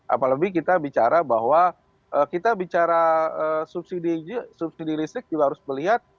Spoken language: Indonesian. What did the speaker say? apalagi kita bicara bahwa kita bicara subsidi listrik juga harus melihat